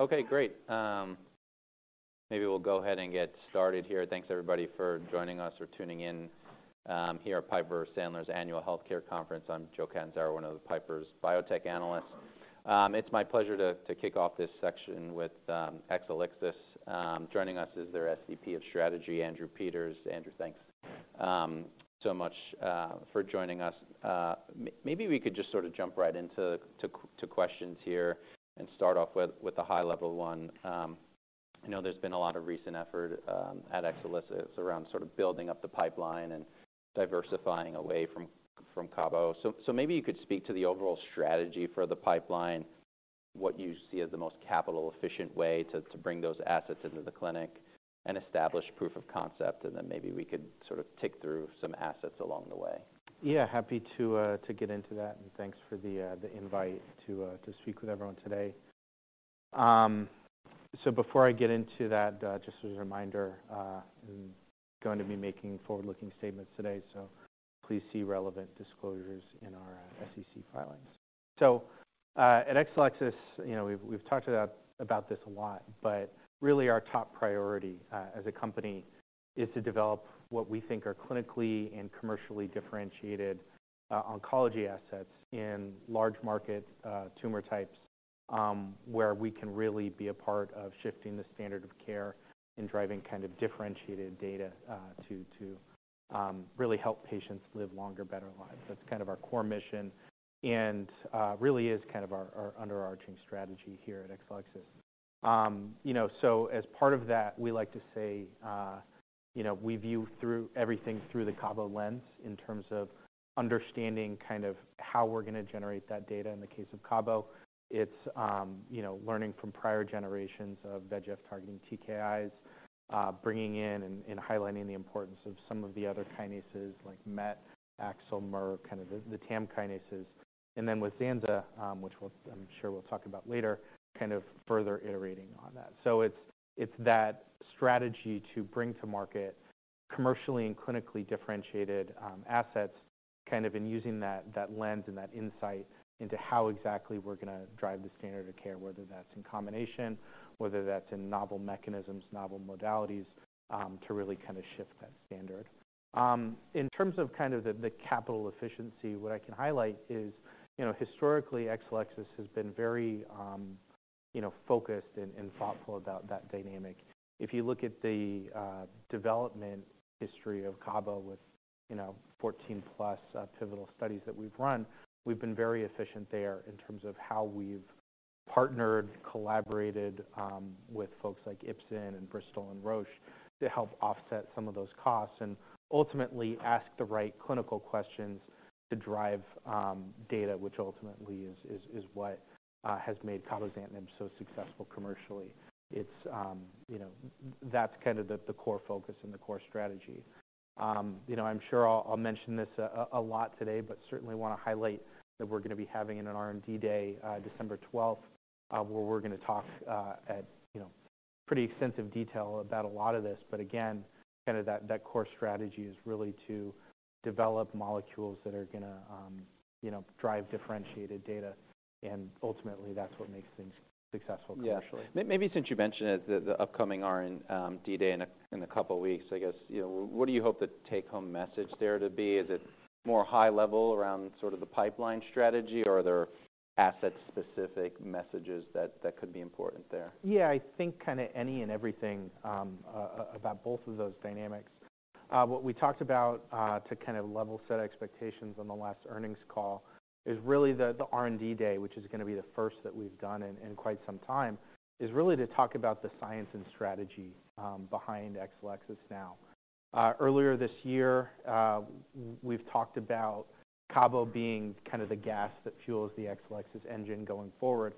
Okay, great. Maybe we'll go ahead and get started here. Thanks, everybody, for joining us or tuning in here at Piper Sandler's Annual Healthcare Conference. I'm Joe Catanzaro, one of the Piper's biotech analysts. It's my pleasure to kick off this section with Exelixis. Joining us is their SVP of Strategy, Andrew Peters. Andrew, thanks so much for joining us. Maybe we could just sort of jump right into questions here and start off with a high-level one. I know there's been a lot of recent effort at Exelixis around sort of building up the pipeline and diversifying away from Cabo. Maybe you could speak to the overall strategy for the pipeline, what you see as the most capital-efficient way to bring those assets into the clinic and establish proof of concept, and then maybe we could sort of tick through some assets along the way. Yeah, happy to get into that, and thanks for the invite to speak with everyone today. So before I get into that, just as a reminder, I'm going to be making forward-looking statements today, so please see relevant disclosures in our SEC filings. So, at Exelixis, you know, we've talked about this a lot, but really, our top priority as a company is to develop what we think are clinically and commercially differentiated oncology assets in large market tumor types, where we can really be a part of shifting the standard of care and driving kind of differentiated data to really help patients live longer, better lives. That's kind of our core mission and really is kind of our overarching strategy here at Exelixis. You know, so as part of that, we like to say, you know, we view everything through the Cabo lens in terms of understanding kind of how we're gonna generate that data. In the case of Cabo, it's, you know, learning from prior generations of VEGF targeting TKIs, bringing in and, and highlighting the importance of some of the other kinases like MET, AXL, MER, kind of the TAM kinases. And then with Zanza, which we'll-- I'm sure we'll talk about later, kind of further iterating on that. So it's, it's that strategy to bring to market commercially and clinically differentiated, assets, kind of, in using that, that lens and that insight into how exactly we're gonna drive the standard of care, whether that's in combination, whether that's in novel mechanisms, novel modalities, to really kind of shift that standard. In terms of kind of the capital efficiency, what I can highlight is, you know, historically, Exelixis has been very, you know, focused and thoughtful about that dynamic. If you look at the development history of Cabo with, you know, 14-plus pivotal studies that we've run, we've been very efficient there in terms of how we've partnered, collaborated, with folks like Ipsen and Bristol and Roche, to help offset some of those costs and ultimately ask the right clinical questions to drive data, which ultimately is what has made Cabozantinib so successful commercially. It's, you know... That's kind of the core focus and the core strategy. You know, I'm sure I'll mention this a lot today, but certainly want to highlight that we're gonna be having an R&D day December twelfth, where we're gonna talk at you know, pretty extensive detail about a lot of this. But again, kind of that core strategy is really to develop molecules that are gonna you know, drive differentiated data, and ultimately, that's what makes things successful commercially. Yeah. Maybe since you mentioned it, the upcoming R&D day in a couple weeks, I guess, you know, what do you hope the take-home message there to be? Is it more high level around sort of the pipeline strategy, or are there asset-specific messages that could be important there? Yeah, I think kind of any and everything about both of those dynamics. What we talked about to kind of level set expectations on the last earnings call is really the R&D day, which is gonna be the first that we've done in quite some time, is really to talk about the science and strategy behind Exelixis now. Earlier this year, we've talked about Cabo being kind of the gas that fuels the Exelixis engine going forward.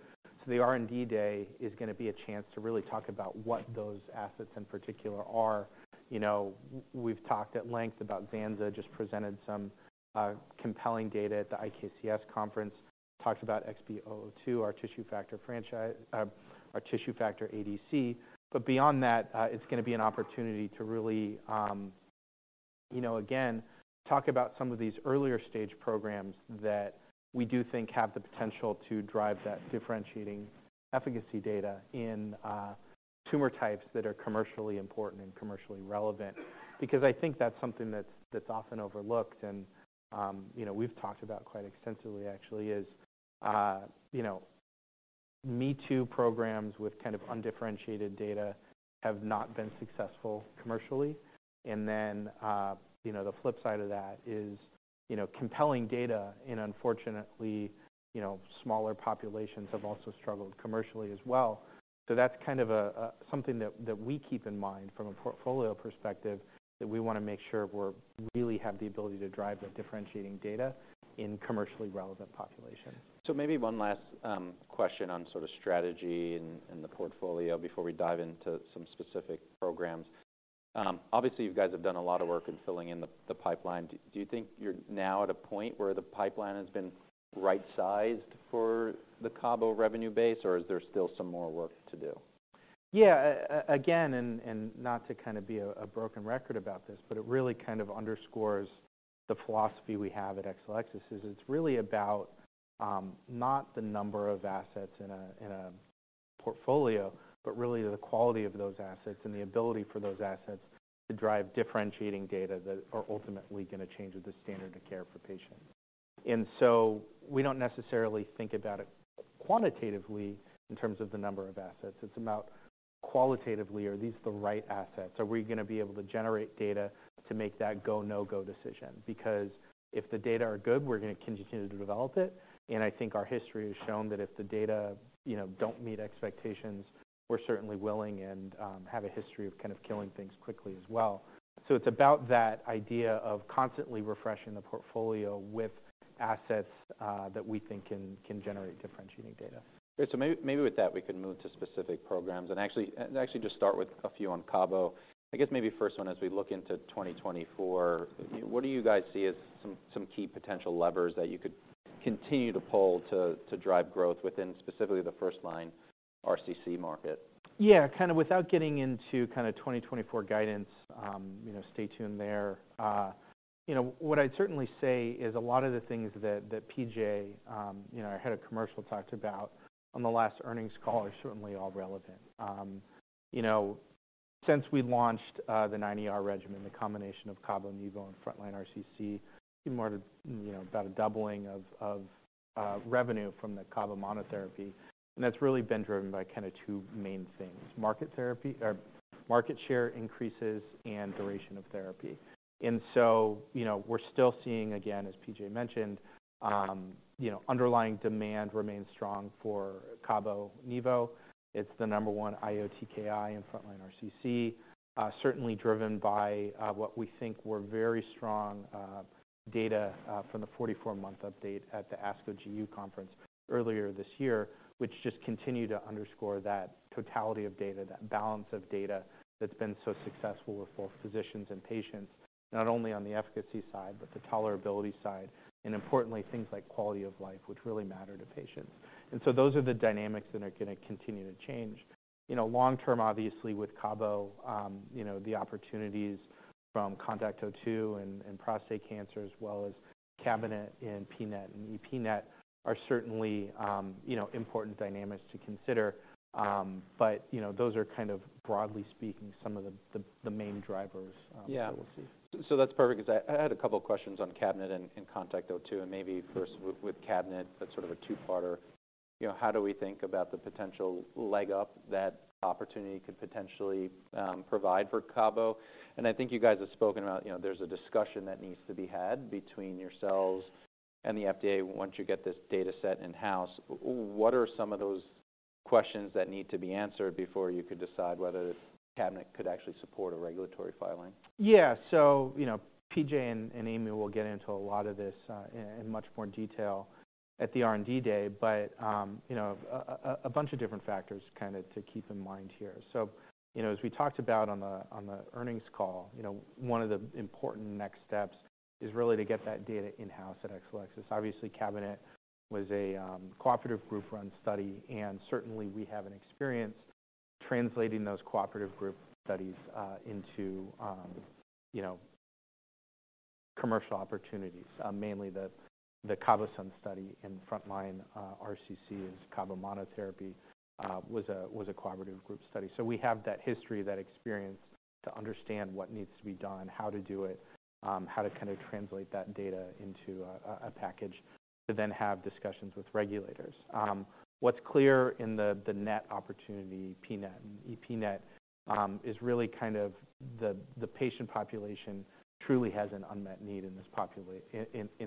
So the R&D day is gonna be a chance to really talk about what those assets in particular are. You know, we've talked at length about ZANZA, just presented some compelling data at the IKCS conference, talked about XB002, our tissue factor ADC. But beyond that, it's gonna be an opportunity to really, you know, again, talk about some of these earlier stage programs that we do think have the potential to drive that differentiating efficacy data in, tumor types that are commercially important and commercially relevant. Because I think that's something that's, that's often overlooked, and, you know, we've talked about quite extensively, actually, is, you know, me-too programs with kind of undifferentiated data have not been successful commercially. And then, you know, the flip side of that is, you know, compelling data and unfortunately, you know, smaller populations have also struggled commercially as well. So that's kind of a, something that, that we keep in mind from a portfolio perspective, that we wanna make sure we're really have the ability to drive that differentiating data in commercially relevant populations. So maybe one last question on sort of strategy and the portfolio before we dive into some specific programs. Obviously, you guys have done a lot of work in filling in the pipeline. Do you think you're now at a point where the pipeline has been right-sized for the Cabo revenue base, or is there still some more work to do? ... Yeah, again, and not to kind of be a broken record about this, but it really kind of underscores the philosophy we have at Exelixis, is it's really about not the number of assets in a portfolio, but really the quality of those assets and the ability for those assets to drive differentiating data that are ultimately going to change the standard of care for patients. And so we don't necessarily think about it quantitatively in terms of the number of assets. It's about qualitatively, are these the right assets? Are we going to be able to generate data to make that go, no-go decision? Because if the data are good, we're going to continue to develop it, and I think our history has shown that if the data, you know, don't meet expectations, we're certainly willing and have a history of kind of killing things quickly as well. So it's about that idea of constantly refreshing the portfolio with assets that we think can generate differentiating data. Great. So maybe with that, we can move to specific programs and actually just start with a few on CABO. I guess maybe first one, as we look into 2024, what do you guys see as some key potential levers that you could continue to pull to drive growth within specifically the first-line RCC market? Yeah, kind of without getting into kind of 2024 guidance, you know, stay tuned there. You know, what I'd certainly say is a lot of the things that, that P.J., you know, our Head of Commercial, talked about on the last earnings call are certainly all relevant. You know, since we launched the 9ER regimen, the combination of CABOMETYX and frontline RCC, we've seen more, you know, about a doubling of revenue from the CABO monotherapy. And that's really been driven by kind of two main things: market share increases and duration of therapy. And so, you know, we're still seeing, again, as P.J. mentioned, you know, underlying demand remains strong for CABOMETYX. It's the number one IO TKI in frontline RCC, certainly driven by what we think were very strong data from the 44-month update at the ASCO GU conference earlier this year, which just continued to underscore that totality of data, that balance of data, that's been so successful with both physicians and patients, not only on the efficacy side, but the tolerability side, and importantly, things like quality of life, which really matter to patients. And so those are the dynamics that are going to continue to change. You know, long term, obviously, with CABO, you know, the opportunities from CONTACT-02 and prostate cancer, as well as CABINET and pNET and EP-NET, are certainly, you know, important dynamics to consider. But, you know, those are kind of, broadly speaking, some of the main drivers that we'll see. Yeah. So that's perfect, 'cause I had a couple of questions on CABINET and CONTACT-02, and maybe first with CABINET, that's sort of a two-parter. You know, how do we think about the potential leg up that opportunity could potentially provide for CABO? And I think you guys have spoken about, you know, there's a discussion that needs to be had between yourselves and the FDA once you get this data set in-house. What are some of those questions that need to be answered before you could decide whether CABINET could actually support a regulatory filing? Yeah. So, you know, P.J. and Amy will get into a lot of this in much more detail at the R&D Day, but you know, a bunch of different factors kind of to keep in mind here. So, you know, as we talked about on the earnings call, you know, one of the important next steps is really to get that data in-house at Exelixis. Obviously, CABINET was a cooperative group-run study, and certainly we have an experience translating those cooperative group studies into you know, commercial opportunities. Mainly the CABOSUN study in frontline RCC as CABO monotherapy was a cooperative group study. So we have that history, that experience to understand what needs to be done, how to do it, how to kind of translate that data into a package, to then have discussions with regulators. What's clear in the NET opportunity, pNET and EP-NET, is really kind of the patient population truly has an unmet need in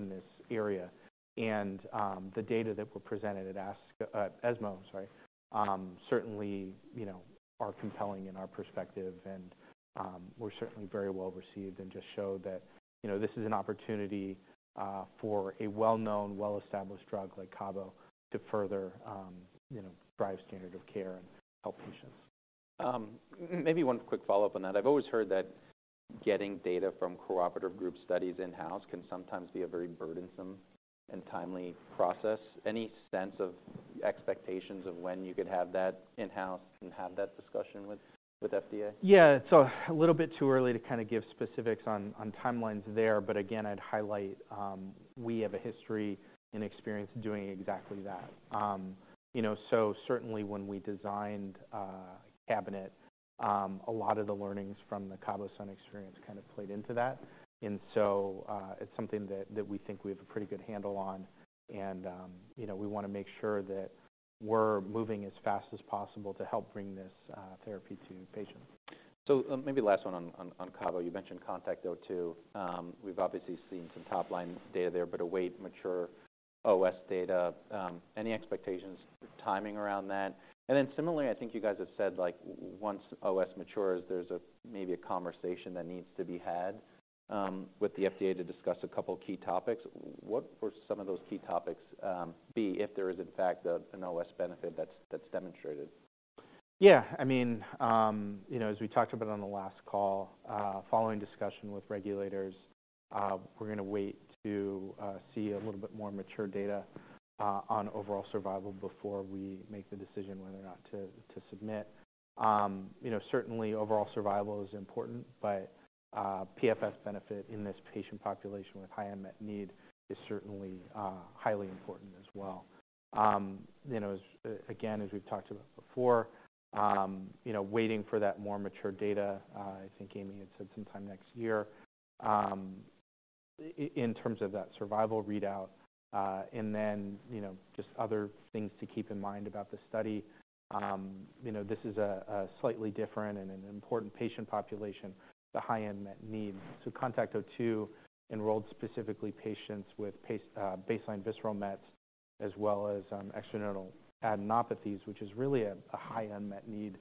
this area. The data that were presented at ASCO, ESMO, sorry, certainly, you know, are compelling in our perspective and were certainly very well-received and just showed that, you know, this is an opportunity for a well-known, well-established drug like CABO to further, you know, drive standard of care and help patients. Maybe one quick follow-up on that. I've always heard that getting data from cooperative group studies in-house can sometimes be a very burdensome and timely process. Any sense of expectations of when you could have that in-house and have that discussion with FDA? Yeah. So a little bit too early to kind of give specifics on, on timelines there, but again, I'd highlight, we have a history and experience doing exactly that. You know, so certainly when we designed, CABINET, a lot of the learnings from the CABOSUN experience kind of played into that. And so, it's something that, that we think we have a pretty good handle on, and, you know, we want to make sure that we're moving as fast as possible to help bring this, therapy to patients. So, maybe last one on CABO. You mentioned CONTACT-02. We've obviously seen some top-line data there, but await mature OS data. Any expectations for timing around that? And then similarly, I think you guys have said, like, once OS matures, there's maybe a conversation that needs to be had with the FDA to discuss a couple of key topics. What would some of those key topics be if there is, in fact, an OS benefit that's demonstrated? Yeah. I mean, you know, as we talked about on the last call, following discussion with regulators, we're going to wait to see a little bit more mature data on overall survival before we make the decision whether or not to submit. You know, certainly overall survival is important, but PFS benefit in this patient population with high unmet need is certainly highly important as well. You know, as again, as we've talked about before, you know, waiting for that more mature data, I think Amy had said sometime next year, in terms of that survival readout. And then, you know, just other things to keep in mind about the study. You know, this is a slightly different and an important patient population, the high unmet need. So CONTACT-02 enrolled specifically patients with prostate baseline visceral mets, as well as external adenopathies, which is really a high unmet need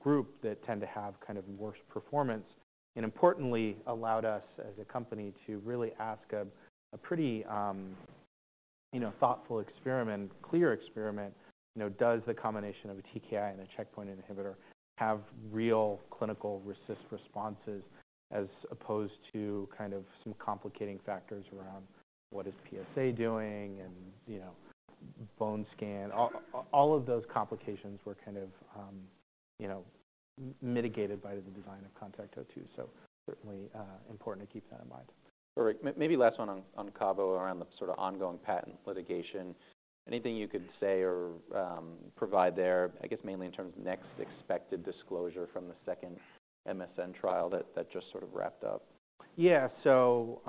group that tend to have kind of worse performance, and importantly, allowed us as a company to really ask a pretty you know thoughtful experiment, clear experiment. You know, does the combination of a TKI and a checkpoint inhibitor have real clinical responses as opposed to kind of some complicating factors around what is PSA doing and, you know, bone scan? All of those complications were kind of you know mitigated by the design of CONTACT-02. So certainly important to keep that in mind. All right, maybe last one on Cabo around the sort of ongoing patent litigation. Anything you could say or provide there? I guess mainly in terms of next expected disclosure from the second MSN trial that just sort of wrapped up. Yeah. So,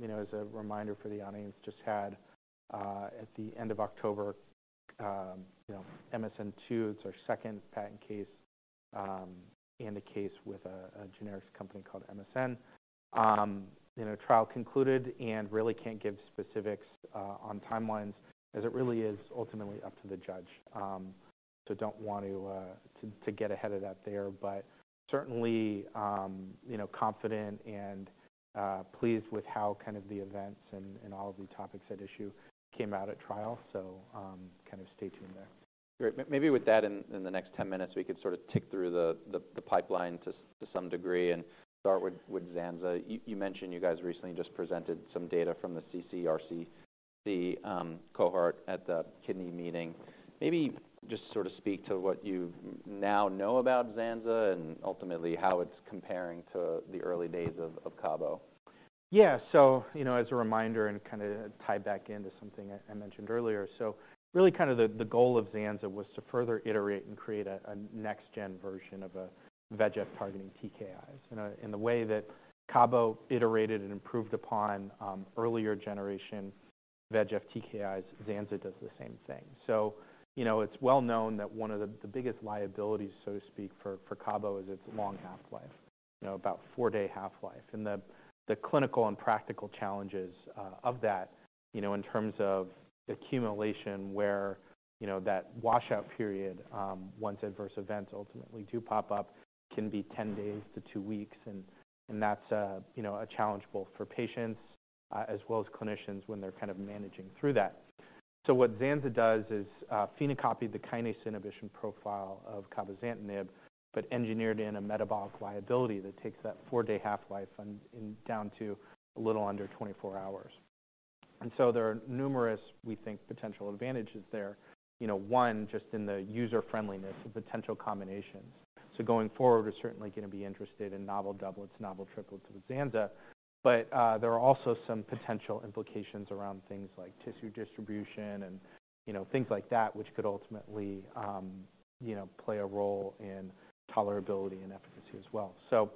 you know, as a reminder for the audience, just had at the end of October, you know, MSN 2, it's our second patent case, in the case with a generics company called MSN. You know, trial concluded and really can't give specifics on timelines as it really is ultimately up to the judge. So don't want to to get ahead of that there. But certainly, you know, confident and pleased with how kind of the events and all of the topics at issue came out at trial. So, kind of stay tuned there. Great. Maybe with that in the next 10 minutes, we could sort of tick through the pipeline to some degree and start with Zanza. You mentioned you guys recently just presented some data from the ccRCC cohort at the kidney meeting. Maybe just sort of speak to what you now know about Zanza and ultimately how it's comparing to the early days of Cabo. Yeah. So, you know, as a reminder and kind of tie back into something I mentioned earlier, so really kind of the goal of Zanza was to further iterate and create a next gen version of a VEGF targeting TKIs. In the way that Cabo iterated and improved upon earlier generation VEGF TKIs, Zanza does the same thing. So you know, it's well known that one of the biggest liabilities, so to speak, for Cabo is its long half-life, you know, about four-day half-life. And the clinical and practical challenges of that, you know, in terms of accumulation, where, you know, that washout period once adverse events ultimately do pop up, can be ten days to two weeks. That's a, you know, a challenge both for patients, as well as clinicians when they're kind of managing through that. So what Zanza does is phenocopy the kinase inhibition profile of Cabozantinib, but engineered in a metabolic liability that takes that four-day half-life and down to a little under 24 hours. And so there are numerous, we think, potential advantages there. You know, one, just in the user-friendliness of potential combinations. So going forward, we're certainly going to be interested in novel doublets, novel triplets with Zanza. But there are also some potential implications around things like tissue distribution and, you know, things like that, which could ultimately, you know, play a role in tolerability and efficacy as well. So,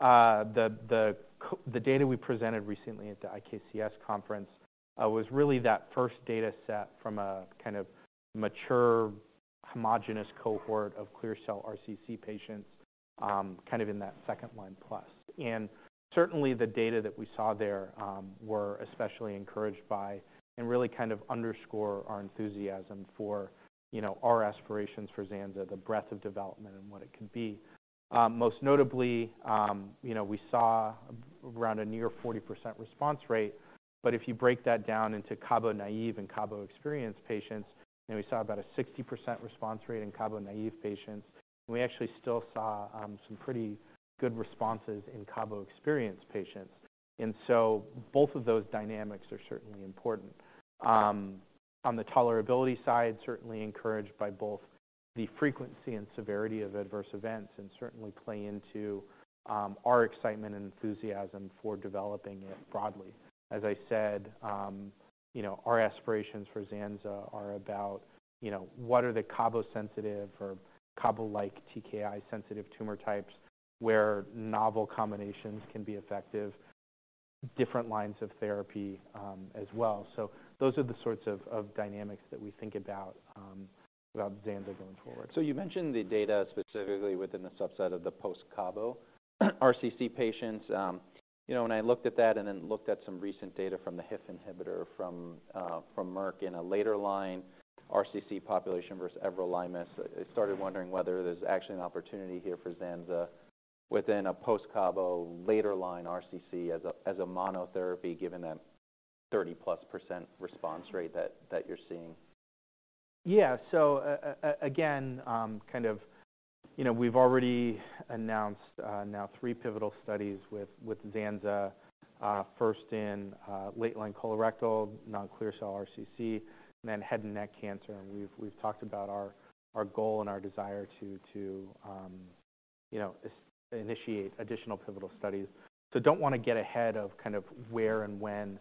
the data we presented recently at the IKCS conference was really that first data set from a kind of mature, homogenous cohort of clear cell RCC patients, kind of in that second-line plus. And certainly the data that we saw there were especially encouraged by and really kind of underscore our enthusiasm for, you know, our aspirations for Zanza, the breadth of development and what it can be. Most notably, you know, we saw around a near 40% response rate. But if you break that down into Cabo-naive and Cabo-experienced patients, and we saw about a 60% response rate in Cabo-naive patients, and we actually still saw some pretty good responses in Cabo-experienced patients. And so both of those dynamics are certainly important. On the tolerability side, certainly encouraged by both the frequency and severity of adverse events, and certainly play into our excitement and enthusiasm for developing it broadly. As I said, you know, our aspirations for Zanza are about, you know, what are the Cabo-sensitive or Cabo-like TKI-sensitive tumor types, where novel combinations can be effective, different lines of therapy, as well. So those are the sorts of dynamics that we think about about Zanza going forward. So you mentioned the data specifically within the subset of the post-Cabo RCC patients. You know, when I looked at that and then looked at some recent data from the HIF inhibitor from, from Merck in a later line, RCC population versus everolimus, I started wondering whether there's actually an opportunity here for Zanza within a post-Cabo later line RCC as a, as a monotherapy, given that 30+% response rate that, that you're seeing.... Yeah. So again, kind of, you know, we've already announced now three pivotal studies with Zanza, first in late-line colorectal, non-clear cell RCC, and then head and neck cancer. And we've talked about our goal and our desire to initiate additional pivotal studies. So don't want to get ahead of kind of where and when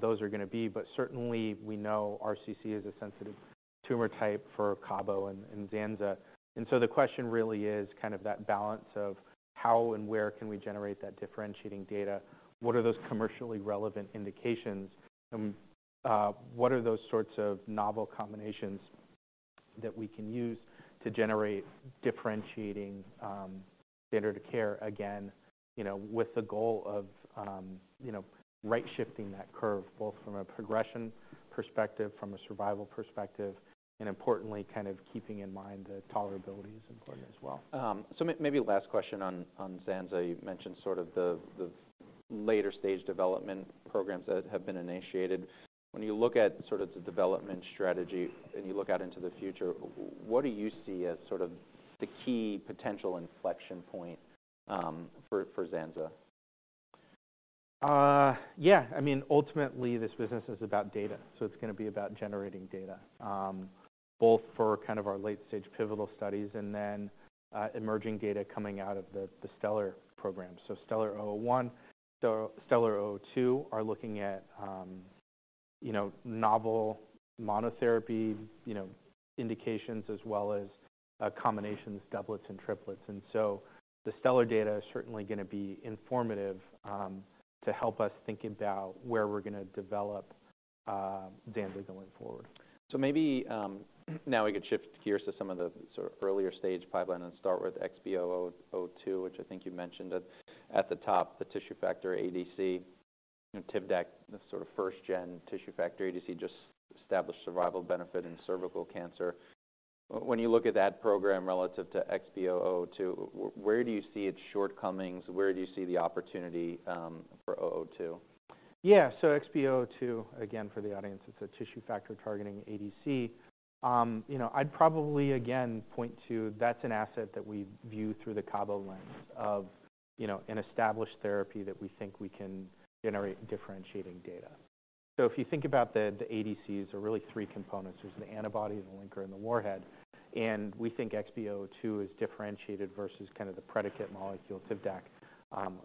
those are gonna be, but certainly we know RCC is a sensitive tumor type for Cabo and Zanza. And so the question really is kind of that balance of how and where can we generate that differentiating data? What are those commercially relevant indications, and what are those sorts of novel combinations that we can use to generate differentiating standard of care? Again, you know, with the goal of, you know, right-shifting that curve, both from a progression perspective, from a survival perspective, and importantly, kind of keeping in mind that tolerability is important as well. So, maybe last question on Zanza. You've mentioned sort of the later stage development programs that have been initiated. When you look at sort of the development strategy and you look out into the future, what do you see as sort of the key potential inflection point for Zanza? Yeah, I mean, ultimately, this business is about data, so it's gonna be about generating data, both for kind of our late-stage pivotal studies and then, emerging data coming out of the STELLAR program. So STELLAR-001, so STELLAR-002 are looking at, you know, novel monotherapy, you know, indications as well as, combinations, doublets and triplets. And so the STELLAR data is certainly gonna be informative, to help us think about where we're gonna develop, Zanza going forward. So maybe now we could shift gears to some of the sort of earlier stage pipeline and start with XB002, which I think you mentioned at the top, the tissue factor ADC and Tivdak, the sort of first gen tissue factor ADC, just established survival benefit in cervical cancer. When you look at that program relative to XB002, where do you see its shortcomings? Where do you see the opportunity for XB002? Yeah. So XB002, again, for the audience, it's a tissue factor targeting ADC. You know, I'd probably again point to that's an asset that we view through the Cabo lens of, you know, an established therapy that we think we can generate differentiating data. So if you think about the ADCs, are really three components. There's the antibody, the linker, and the warhead, and we think XB002 is differentiated versus kind of the predicate molecule, Tivdak,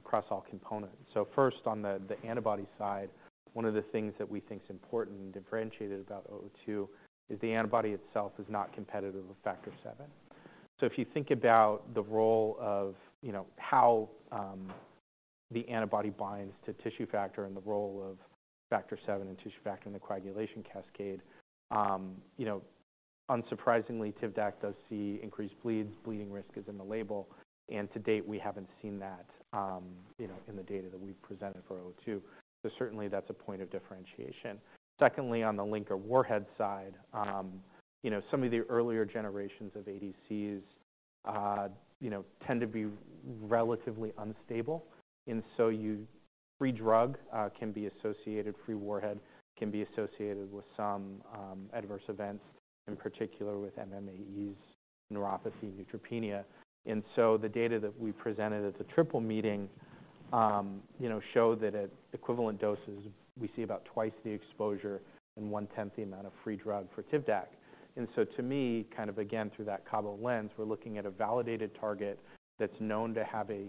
across all components. So first, on the antibody side, one of the things that we think is important and differentiated about XB002 is the antibody itself is not competitive with factor VII. So if you think about the role of, you know, how the antibody binds to tissue factor and the role of factor VII and tissue factor in the coagulation cascade, you know, unsurprisingly, Tivdak does see increased bleeds. Bleeding risk is in the label, and to date, we haven't seen that, you know, in the data that we've presented for XB002. So certainly, that's a point of differentiation. Secondly, on the linker warhead side, you know, some of the earlier generations of ADCs, you know, tend to be relatively unstable. And so free drug can be associated, free warhead can be associated with some adverse events, in particular with MMAEs, neuropathy, neutropenia. And so the data that we presented at the Triple Meeting, you know, show that at equivalent doses, we see about twice the exposure and one-tenth the amount of free drug for Tivdak. And so to me, kind of again, through that Cabo lens, we're looking at a validated target that's known to have a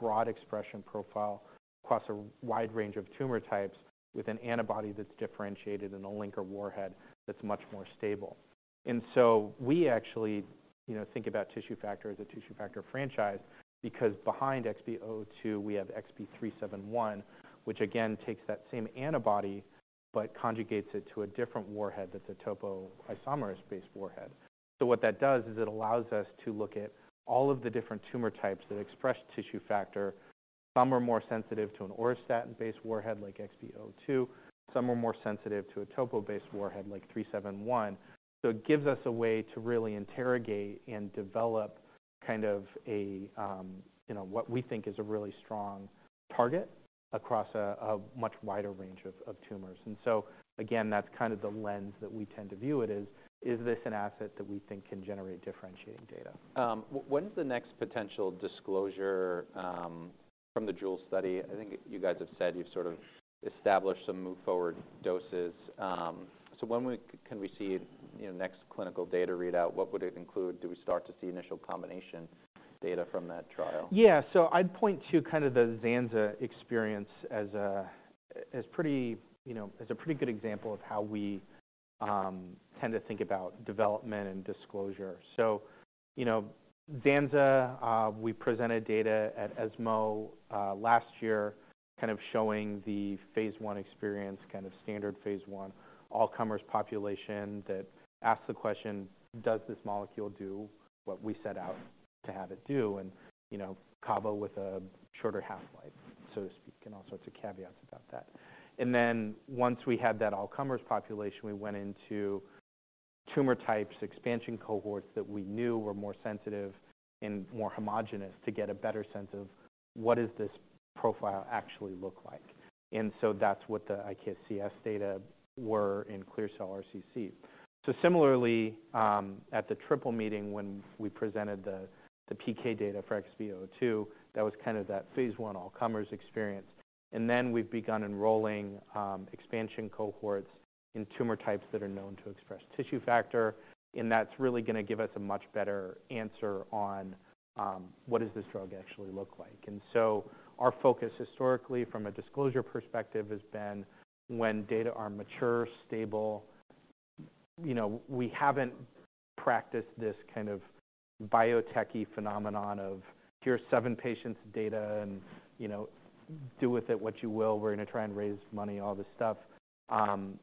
broad expression profile across a wide range of tumor types, with an antibody that's differentiated in a linker warhead that's much more stable. And so we actually, you know, think about tissue factor as a tissue factor franchise, because behind XB002, we have XB371, which again takes that same antibody but conjugates it to a different warhead. That's a topoisomerase-based warhead. So what that does is it allows us to look at all of the different tumor types that express tissue factor. Some are more sensitive to an auristatin-based warhead like XB002, some are more sensitive to a topo-based warhead like XB371. So it gives us a way to really interrogate and develop kind of a, you know, what we think is a really strong target across a much wider range of tumors. And so again, that's kind of the lens that we tend to view it as: Is this an asset that we think can generate differentiating data? When is the next potential disclosure from the JEWEL study? I think you guys have said you've sort of established some move forward doses. So when can we see, you know, next clinical data readout, what would it include? Do we start to see initial combination data from that trial? Yeah. So I'd point to kind of the Zanza experience as a, as pretty, you know, as a pretty good example of how we tend to think about development and disclosure. So, you know, Zanza, we presented data at ESMO last year, kind of showing the phase I experience, kind of standard phase I, all-comers population that asked the question, does this molecule do what we set out to have it do? And, you know, Cabo with a shorter half-life, so to speak, and all sorts of caveats about that. And then once we had that all-comers population, we went into tumor types, expansion cohorts that we knew were more sensitive and more homogenous to get a better sense of what is this profile actually look like? And so that's what the IKCS data were in clear cell RCC. So similarly, at the triple meeting when we presented the PK data for XB002, that was kind of that phase one all-comers experience. And then we've begun enrolling expansion cohorts in tumor types that are known to express tissue factor, and that's really gonna give us a much better answer on what does this drug actually look like? And so our focus historically, from a disclosure perspective, has been when data are mature, stable. You know, we haven't practiced this kind of biotech-y phenomenon of, "Here are seven patients' data and, you know, do with it what you will. We're gonna try and raise money," all this stuff.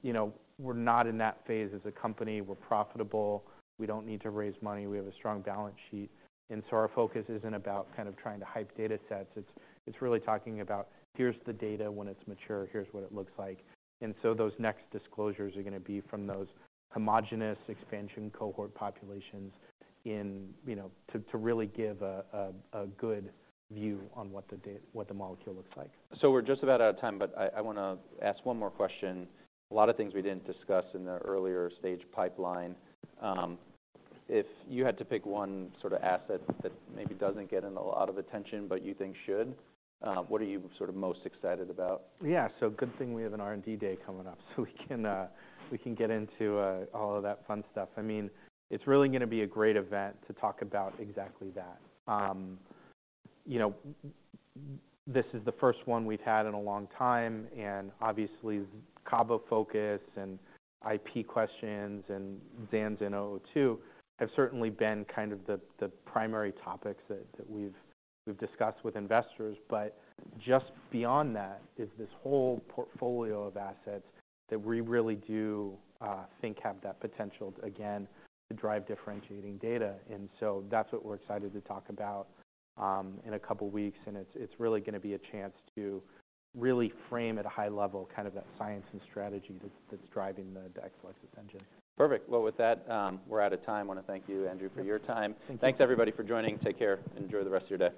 You know, we're not in that phase as a company. We're profitable, we don't need to raise money, we have a strong balance sheet, and so our focus isn't about kind of trying to hype data sets. It's really talking about, "Here's the data when it's mature, here's what it looks like." And so those next disclosures are gonna be from those homogeneous expansion cohort populations in, you know, to really give a good view on what the molecule looks like. So we're just about out of time, but I, I wanna ask one more question. A lot of things we didn't discuss in the earlier stage pipeline. If you had to pick one sort of asset that maybe doesn't get in a lot of attention, but you think should, what are you sort of most excited about? Yeah. So good thing we have an R&D day coming up, so we can, we can get into, all of that fun stuff. I mean, it's really gonna be a great event to talk about exactly that. You know, this is the first one we've had in a long time, and obviously, Cabo focus and IP questions and Zanza and 002 have certainly been kind of the primary topics that we've discussed with investors. But just beyond that is this whole portfolio of assets that we really do, think have that potential, again, to drive differentiating data. And so that's what we're excited to talk about, in a couple weeks, and it's really gonna be a chance to really frame at a high level, kind of that science and strategy that's driving the Exelixis engine. Perfect. Well, with that, we're out of time. I wanna thank you, Andrew, for your time. Thank you. Thanks, everybody, for joining. Take care, and enjoy the rest of your day.